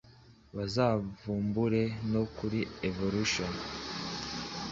bazavumbure no kuri evolution